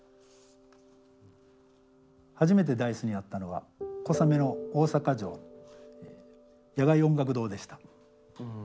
初めてＤａ−ｉＣＥに会ったのは小雨の大阪城野外音楽堂でした。